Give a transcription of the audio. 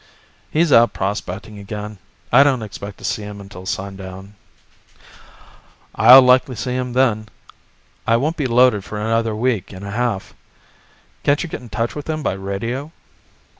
"He's out prospecting again. I don't expect to see him until sun down." "I'll likely see him then. I won't be loaded for another week and a half. Can't you get in touch with him by radio?"